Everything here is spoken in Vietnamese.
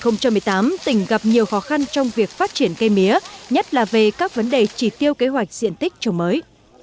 năm hai nghìn một mươi tám tỉnh gặp nhiều khó khăn trong việc phát triển cây mía nhất là về các vấn đề chỉ tiêu kế hoạch diện tích trồng mới